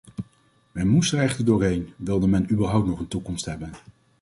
Men moest er echter doorheen, wilde men überhaupt nog een toekomst hebben.